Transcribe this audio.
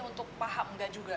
untuk paham tidak juga